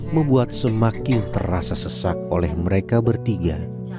membuat semakin terasa sesak oleh mereka bertiga